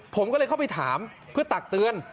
ผมก็เลยเข้าไปถามเพื่อตักเตือน